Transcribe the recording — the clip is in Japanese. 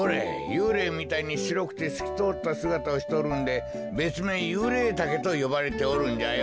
ゆうれいみたいにしろくてすきとおったすがたをしとるんでべつめいユウレイタケとよばれておるんじゃよ。